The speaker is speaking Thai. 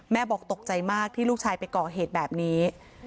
บอกตกใจมากที่ลูกชายไปก่อเหตุแบบนี้